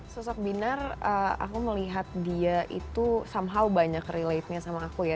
sosok binar aku melihat dia itu somehow banyak relate nya sama aku ya